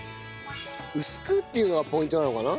薄くっていうのがポイントなのかな？